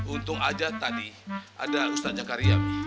untung aja tadi ada ustaz jakaria mi